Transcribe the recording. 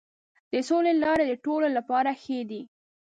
د سولې لارې د ټولو لپاره ښې دي.